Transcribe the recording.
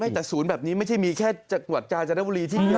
ไม่ไม่แต่ศูนย์แบบนี้ไม่ได้มีแค่จากหวัดจารย์จรรยาบรีที่นี่นะ